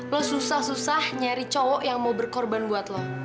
lo susah susah nyari cowok yang mau berkorban buat lo